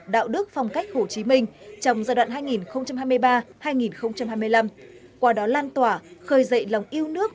đạo đức phong cách hồ chí minh trong giai đoạn hai nghìn hai mươi ba hai nghìn hai mươi năm qua đó lan tỏa khơi dậy lòng yêu nước